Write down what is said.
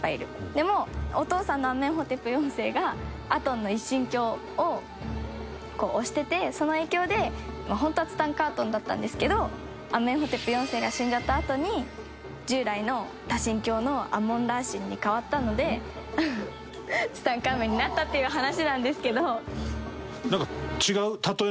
でもお父さんのアメンヘテプ４世がアテンの一神教を推しててその影響でホントはツタンカートンだったんですけどアメンヘテプ４世が死んじゃったあとに従来の多神教のアメン・ラー神に変わったのでツタンカーメンになったっていう話なんですけど。